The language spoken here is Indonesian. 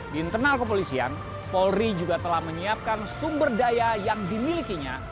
di internal kepolisian polri juga telah menyiapkan sumber daya yang dimilikinya